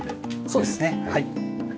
そうですねはい。